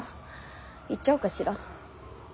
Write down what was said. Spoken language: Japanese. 言っちゃおうかしら。